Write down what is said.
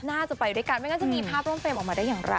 น่าจะไปด้วยกันไม่งั้นจะมีภาพร่วมเฟรมออกมาได้อย่างไร